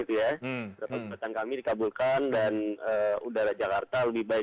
pembangunan kami dikabulkan dan udara jakarta lebih baik